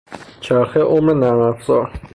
چرخه عمر نرم افزار